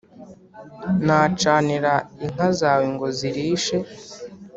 nacanira inka zawe ngo zirishe